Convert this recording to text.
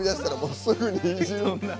すぐに。